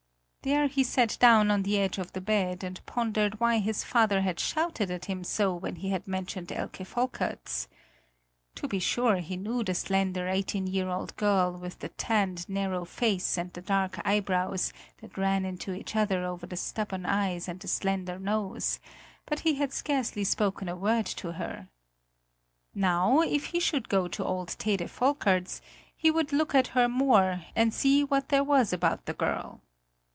There he sat down on the edge of the bed and pondered why his father had shouted at him so when he had mentioned Elke Volkerts. To be sure, he knew the slender, eighteen year old girl with the tanned, narrow face and the dark eyebrows that ran into each other over the stubborn eyes and the slender nose; but he had scarcely spoken a word to her. Now, if he should go to old Tede Volkerts, he would look at her more and see what there was about the girl.